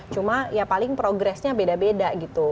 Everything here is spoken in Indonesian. cuma ya paling progresnya beda beda gitu